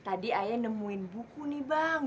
tadi ayah nemuin buku nih bang